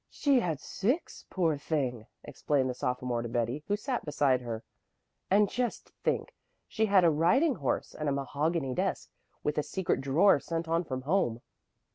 "She had six, poor thing!" explained the sophomore to Betty, who sat beside her. "And just think! She'd had a riding horse and a mahogany desk with a secret drawer sent on from home.